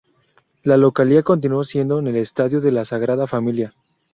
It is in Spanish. La localía continuó siendo en el estadio de la Sagrada Familia.